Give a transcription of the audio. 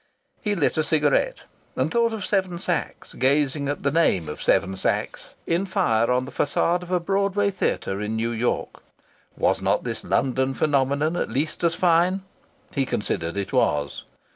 He lit a cigarette, and thought of Seven Sachs gazing at the name of Seven Sachs in fire on the façade of a Broadway Theatre in New York. Was not this London phenomenon at least as fine? He considered it was.